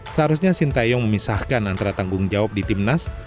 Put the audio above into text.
seharusnya shin taeyong memisahkan antara tanggung jawab di timnas